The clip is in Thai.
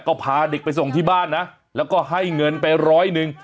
ก็พาเด็กไปส่งที่บ้านนะแล้วก็ให้เงินไปร้อยหนึ่ง